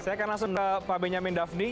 saya akan langsung ke pak benjamin daphne